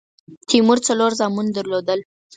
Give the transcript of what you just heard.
تیمور څلور زامن درلودل.